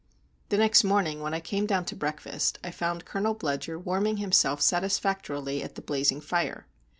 The next morning, when I came down to breakfast, I found Colonel Bludyer warming himself satisfactorily at the blazing fire.